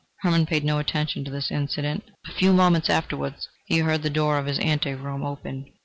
Hermann paid no attention to this incident. A few moments afterwards he heard the door of his ante room open.